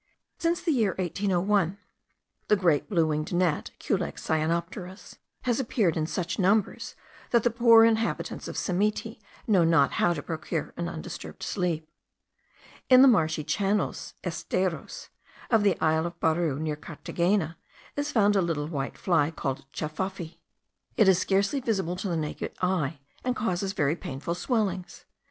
Since the year 1801, the great blue winged gnat (Culex cyanopterus) has appeared in such numbers, that the poor inhabitants of Simiti know not how to procure an undisturbed sleep. In the marshy channels (esteros) of the isle of Baru, near Carthagena, is found a little white fly called cafafi. It is scarcely visible to the naked eye, and causes very painful swellings.